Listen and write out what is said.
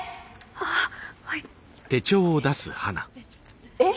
あっはい。